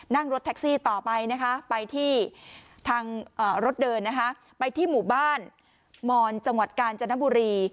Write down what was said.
นั่งรถแท็กซี่ต่อไปนะคะไปที่ทางรถเดินนะคะไปที่หมู่บ้านมอนจังหวัดกาญจนบุรี